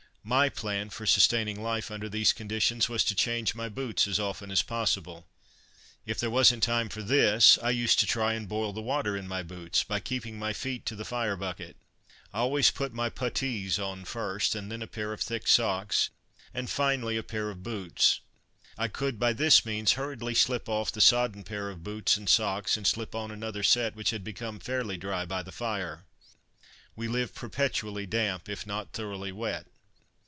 My plan for sustaining life under these conditions was to change my boots as often as possible. If there wasn't time for this I used to try and boil the water in my boots by keeping my feet to the fire bucket. I always put my puttees on first and then a pair of thick socks, and finally a pair of boots. I could, by this means, hurriedly slip off the sodden pair of boots and socks and slip on another set which had become fairly dry by the fire. We lived perpetually damp, if not thoroughly wet.